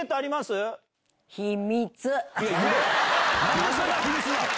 何でそれが秘密なの？